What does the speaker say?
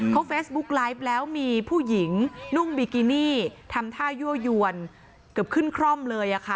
เขาเฟซบุ๊กไลฟ์แล้วมีผู้หญิงนุ่งบิกินี่ทำท่ายั่วยวนเกือบขึ้นคร่อมเลยค่ะ